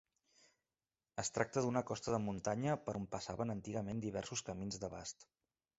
Es tracta d'una costa de muntanya per on passaven antigament diversos camins de bast.